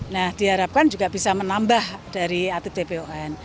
nah diharapkan juga bisa menambah dari atlet dpon